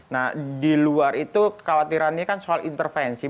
nah di luar itu khawatirannya kan soal intervensi